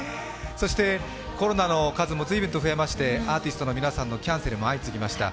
コロナの数もずいぶんと増えまして、アーティストの皆さんのキャンセルも相次ぎました。